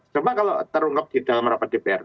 coba kalau terungkap di dalam rapat dpr